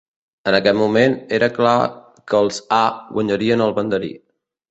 En aquest moment, era clar que els A guanyarien el banderí.